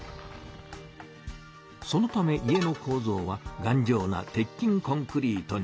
そのため家のこうぞうはがんじょうな鉄筋コンクリートに。